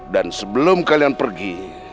dan sebelum kalian pergi